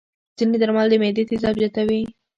ځینې درمل د معدې تیزاب زیاتوي.